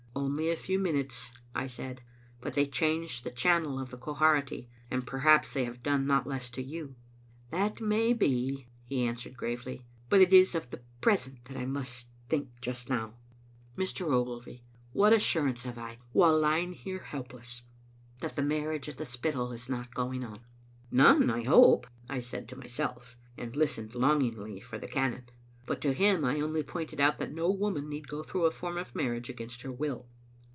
" Only a few minutes," I said, " but they changed the channel of the Quharity, and perhaps they have done not less to you. " "That may be," he answered gravely, "but it is of the present I must think just now. Mr. Ogilvy, what assurance have I, while lying here helpless, that the marriage at the Spittal is not going on?" "None, I hope," I said to myself, and listened long ingly for the cannon. But to him I only pointed out that no woman need go through a form of marriage against her will.